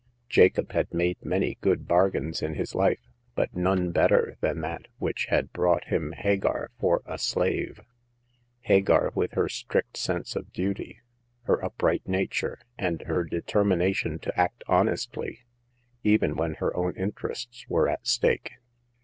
Jacob had made many good bargains in his life, but none better than that which had brought him Hagar for a slave — Hagar, with her strict sense of duty, her upright nature, and her determination to act honestly, even when her own interests were at stake.